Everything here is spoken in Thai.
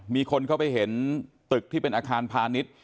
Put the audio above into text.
มีคนเข้าไปเห็นตึกที่เป็นอาคารพาณิชย์